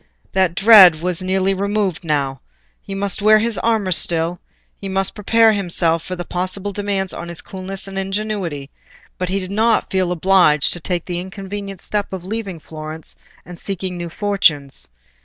That dread was nearly removed now: he must wear his armour still, he must prepare himself for possible demands on his coolness and ingenuity, but he did not feel obliged to take the inconvenient step of leaving Florence and seeking new fortunes.